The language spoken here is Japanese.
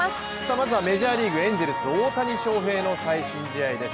まずはメジャーリーグ、エンゼルス・大谷翔平の最新試合です。